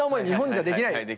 日本じゃできない。